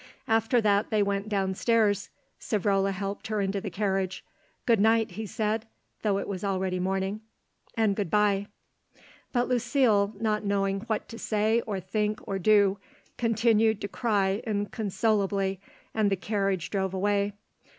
After that they went down stairs. Savrola helped her into the carriage. "Good night," he said, though it was already morning, "and good bye." But Lucile, not knowing what to say or think or do, continued to cry inconsolably and the carriage drove away.